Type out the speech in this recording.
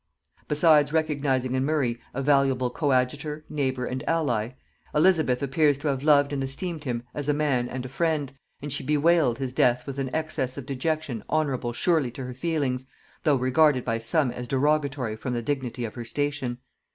Besides recognising in Murray a valuable coadjutor, neighbour and ally, Elizabeth appears to have loved and esteemed him as a man and a friend, and she bewailed his death with an excess of dejection honorable surely to her feelings, though regarded by some as derogatory from the dignity of her station.